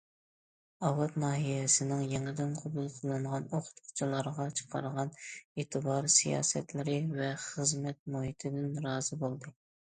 ئاۋات ناھىيەسىنىڭ يېڭىدىن قوبۇل قىلىنغان ئوقۇتقۇچىلارغا چىقارغان ئېتىبار سىياسەتلىرى ۋە خىزمەت مۇھىتىدىن رازى بولدى.